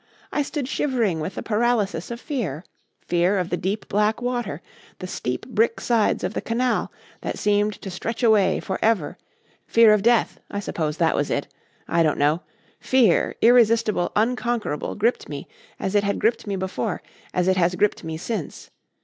I stood shivering with the paralysis of fear. Fear of the deep black water, the steep brick sides of the canal that seemed to stretch away for ever fear of death, I suppose that was it. I don't know. Fear irresistible, unconquerable, gripped me as it had gripped me before, as it has gripped me since.